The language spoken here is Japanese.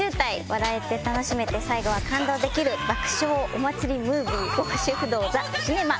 笑えて楽しめて最後は感動できる爆笑お祭りムービー、極主夫道ザ・シネマ。